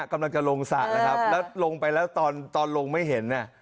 กำลังจะลงสระนะครับแล้วลงไปแล้วตอนตอนลงไม่เห็นน่ะ